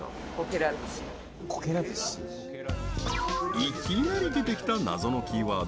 いきなり出てきた謎のキーワード